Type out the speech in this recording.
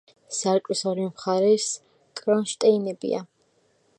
სარკმლის ორივე მხარეს კრონშტეინებია.